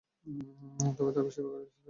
তবে তার বেশির ভাগই ইসরাঈলী বর্ণনা থেকে গৃহীত।